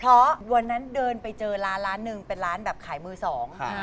เพราะวันนั้นเดินไปเจอร้านร้านหนึ่งเป็นร้านแบบขายมือสอง